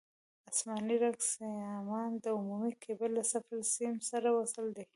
اسماني رنګ سیمان د عمومي کیبل له صفر سیم سره وصل دي.